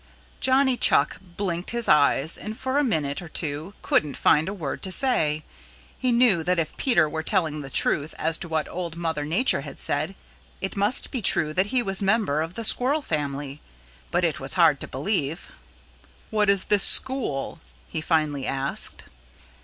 Johnny Chuck blinked his eyes and for a minute or two couldn't find a word to say. He knew that if Peter were telling the truth as to what Old Mother Nature had said, it must be true that he was member of the Squirrel family. But it was hard to believe. "What is this school?" he finally asked.